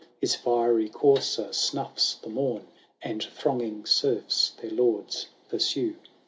His fiery courser snuffs the morn, And thronging serfs their lords pursue.